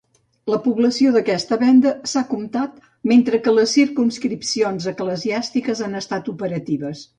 La població d'aquesta vénda s'ha comptat mentre que les circumscripcions eclesiàstiques han estat operatives.